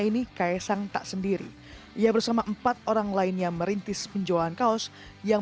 ini kaisang tak sendiri ia bersama empat orang lainnya merintis penjualan kaos yang